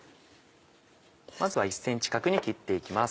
まずは１ｃｍ角に切って行きます。